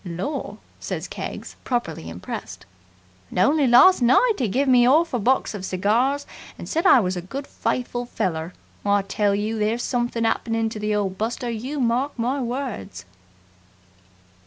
"Lor!" says Keggs, properly impressed. "And only last night 'e gave me 'arf a box of cigars and said I was a good, faithful feller! I tell you, there's somethin' happened to the old buster you mark my words!"